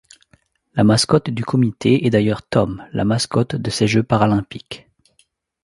La mascotte du comité est d'ailleurs Tom, la mascotte de ces Jeux paralympiques.